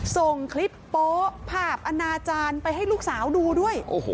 ส่งคลิปโป๊ภาพอนาจารย์ไปให้ลูกสาวดูด้วย